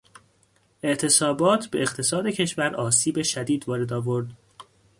اعتصابات به اقتصاد کشور آسیب شدید وارد آورد.